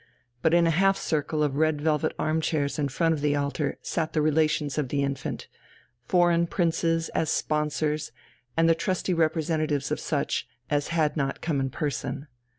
But in a half circle of red velvet arm chairs in front of the altar sat the relations of the infant, foreign princes as sponsors and the trusty representatives of such as had not come in person.